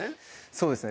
そうですね。